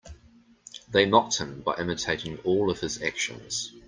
They mocked him by imitating all of his actions.